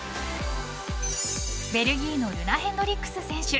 ベルギーのルナ・ヘンドリックス選手。